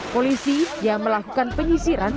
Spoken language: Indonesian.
polisi yang melakukan penyisiran